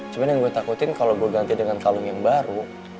cuma yang gue takutin kalau gue ganti dengan kalung yang baru